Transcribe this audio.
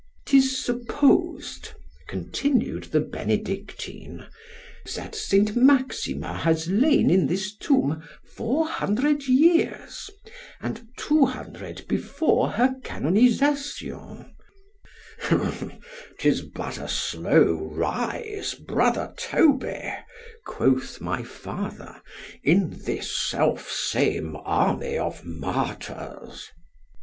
'Tis supposed, continued the Benedictine, that St. Maxima has lain in this tomb four hundred years, and two hundred before her canonization——'Tis but a slow rise, brother Toby, quoth my father, in this self same army of martyrs.